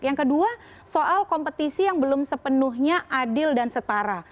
yang kedua soal kompetisi yang belum sepenuhnya adil dan setara